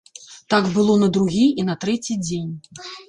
Так было на другі і на трэці дзень.